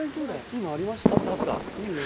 今ありましたね。